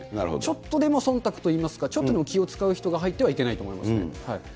ちょっとでもそんたくといいますか、ちょっとでも気を遣う人が入ってはいけないと思いますね。